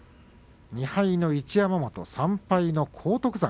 ２敗の一山本、３敗の荒篤山